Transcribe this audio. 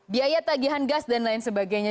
biaya tagihan gas dan lain sebagainya